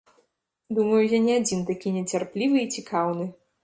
Думаю, я не адзін такі нецярплівы і цікаўны.